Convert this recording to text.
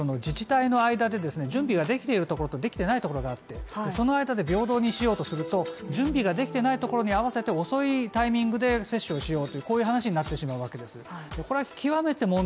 その自治体の間でですね準備はできているところとできないところがあって、その間で平等にしようとすると準備ができてないところに合わせて遅いタイミングで接種をしようというこういう話になってしまうわけです。